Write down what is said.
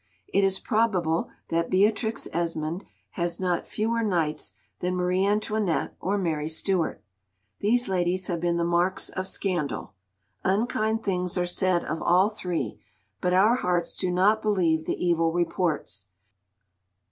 It is probable that Beatrix Esmond has not fewer knights than Marie Antoinette or Mary Stuart. These ladies have been the marks of scandal. Unkind things are said of all three, but our hearts do not believe the evil reports.